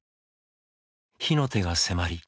火の手が迫り